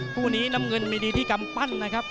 คู่นี้น้ำเงินมีดีที่กำปั้นนะครับ